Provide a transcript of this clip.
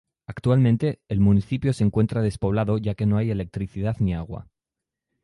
Actualmente el municipio se encuentra despoblado ya que no hay electricidad ni agua.